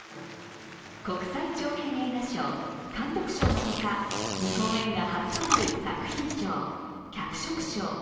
国際長編映画賞、監督賞のほか日本映画初となる作品賞、脚色賞